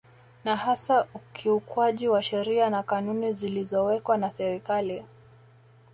Na hasa ukiukwaji wa sheria na kanuni zilizowekwa na Serikali